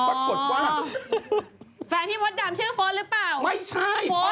แฟนพี่มดดำชื่อโฟสหรือเปล่า